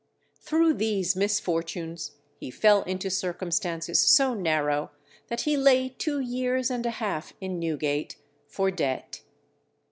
Through these misfortunes he fell into circumstances so narrow that he lay two years and a half in Newgate, for debt.